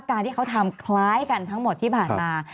การที่เขาทำคล้ายกันทั้งหมดที่ผ่านมา